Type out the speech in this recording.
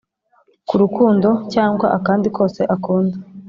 k’urukundo cyangwa akandi kose akunda,